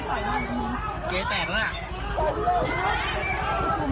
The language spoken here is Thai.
บอกให้ขับเลยไม่ต้องขอเลย